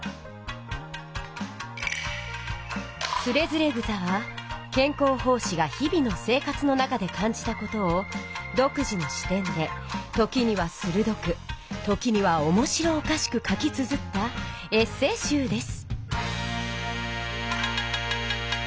「徒然草」は兼好法師が日々の生活の中でかんじたことをどく自のし点でときにはするどくときにはおもしろおかしく書きつづったエッセーしゅうです。